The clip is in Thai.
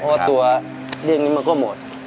เพราะตัวดิงนี้มันก็หมด